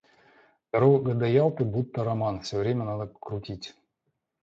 Дорога до Ялты будто роман: все время надо крутить.